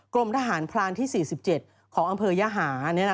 กรมทหารพรานที่๔๗ของอำเภอยหา